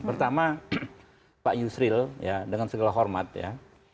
pertama pak yusril ya dengan segala hormat ya